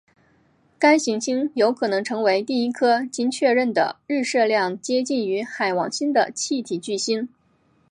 该行星有可能成为第一颗经确认的日射量接近于海王星的气体巨星。